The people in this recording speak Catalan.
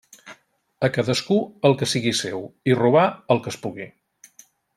A cadascú el que sigui seu, i robar el que es pugui.